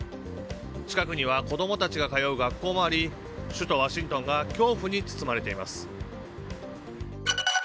近くには子供たちが通う学校もあり首都ワシントンが恐怖に包まれています。